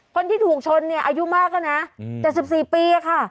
คนที่ถูกชนอายุมากนะแต่๑๔ปีค่ะ